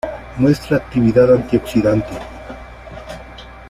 Muestra actividad antioxidante.